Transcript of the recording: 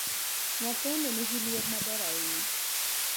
Nyathini nigiluor maber ahinya